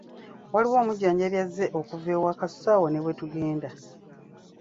Waliwo omujjanjabi azze okuva ewaka so awo ne bwetugenda.